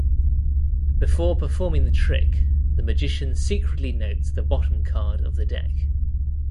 Before performing the trick, the magician secretly notes the bottom card of the deck.